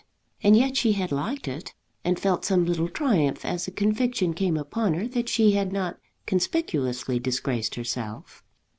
And yet she had liked it, and felt some little triumph as a conviction came upon her that she had not conspicuously disgraced herself.